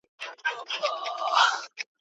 پوهېږم چي زما نوم به دي له یاده وي وتلی